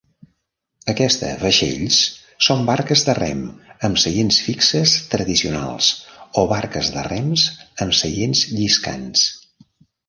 Aquesta vaixells són barques de rem amb seients fixes tradicionals o barques de rems amb seients lliscants.